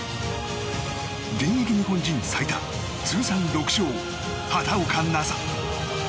現役日本人最多通算６勝、畑岡奈紗。